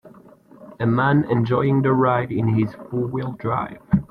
A man enjoying the ride in his four wheel drive.